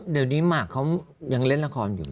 เดี๋ยวนี้หมากเขายังเล่นละครอยู่